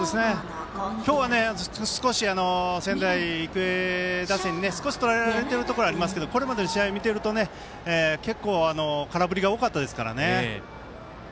今日は少し仙台育英打線に少しとらえられているところがありますけどこれまでの試合を見ていると結構空振りが多かったですから。